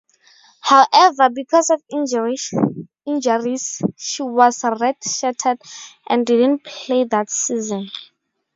However, because of injuries, she was redshirted and didn't play that season.